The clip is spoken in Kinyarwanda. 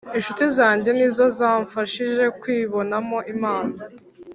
Inshuti zange ni zo zamfashije kwibonamo impano